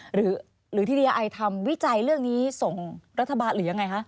หรือที่ดีอายทำวิจัยเรื่องนี้ส่งรัฐบาลหรือยังไงคะ